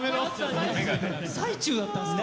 最中だったんですね。